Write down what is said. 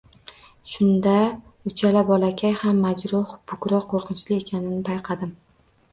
Shunda uchala bolakay ham majruh, bukri, qo`rqinchli ekanini payqadim